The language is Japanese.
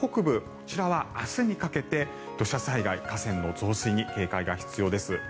こちらは明日にかけて土砂災害、河川の増水に注意が必要です。